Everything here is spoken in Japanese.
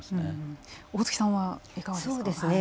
大槻さんはいかがですか？